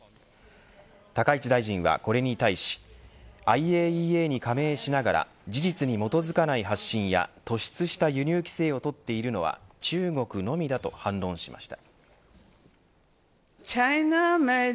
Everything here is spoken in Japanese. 高市大臣はこれに対しＩＡＥＡに加盟しながら事実に基づかない発信や突出した輸入規制を取っているのは中国のみだと反論しました。